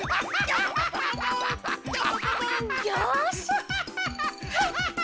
よし！